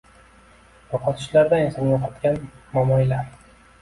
Yo’qotishlardan esini yo’qotgan momoylar